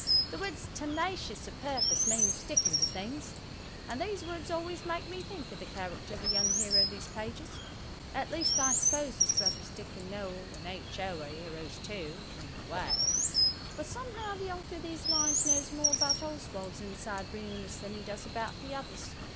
The words "tenacious of purpose" mean sticking to things, and these words always make me think of the character of the young hero of these pages. At least I suppose his brothers Dick and Noël and H.O. are heroes too, in a way, but somehow the author of these lines knows more about Oswald's inside realness than he does about the others.